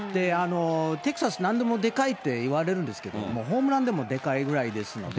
テキサス、なんでもでかいっていわれるんですけど、もうホームランでもでかいくらいですので。